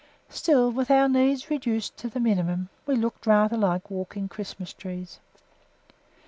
Still, with our needs reduced to the minimum, we looked rather like walking Christmas trees.